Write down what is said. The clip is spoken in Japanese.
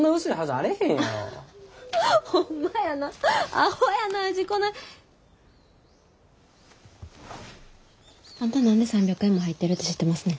あんた何で３００円も入ってるて知ってますねん。